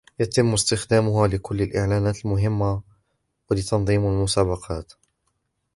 سيتم استخدامها لكل الاعلانات المهمة و لتنظيم المسابقة.